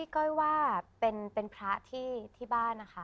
ก้อยว่าเป็นพระที่บ้านนะคะ